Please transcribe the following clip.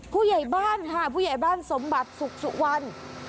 ผู้ใหญ่บ้านค่ะผู้ใหญ่บ้านสมบัติสุขสุวรรณ